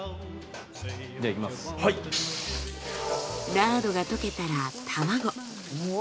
ラードが溶けたら卵。